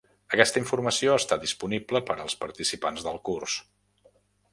Aquesta informació està disponible per als participants del curs.